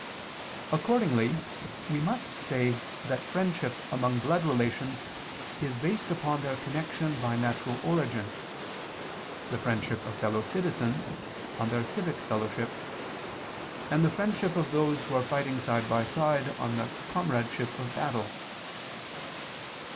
Accordingly we must say that friendship among blood relations is based upon their connection by natural origin, the friendship of fellow citizens on their civic fellowship, and the friendship of those who are fighting side by side on the comradeship of battle.